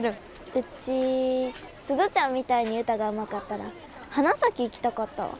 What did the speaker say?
ウチ鈴ちゃんみたいに歌がうまかったら花咲行きたかったわ。